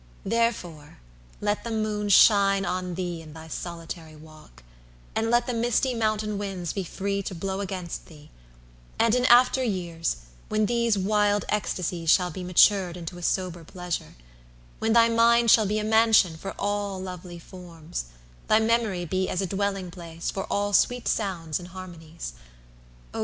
Therefore let the moon Shine on thee in thy solitary walk; And let the misty mountain winds be free To blow against thee: and, in after years, When these wild ecstasies shall be matured Into a sober pleasure; when thy mind Shall be a mansion for all lovely forms, 140 Thy memory be as a dwelling place For all sweet sounds and harmonies; oh!